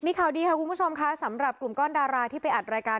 มีข่าวดีค่ะคุณผู้ชมค่ะสำหรับกลุ่มก้อนดาราที่ไปอัดรายการ